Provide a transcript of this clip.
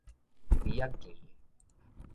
埤仔墘